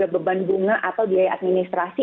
beban bunga atau biaya administrasi